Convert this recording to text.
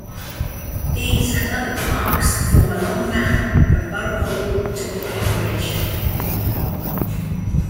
These and other parks form a long mall from Borough Hall to Brooklyn Bridge.